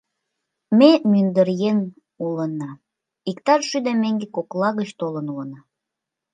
Ме мӱндыр еҥ улына: иктаж шӱдӧ меҥге кокла гыч толын улына.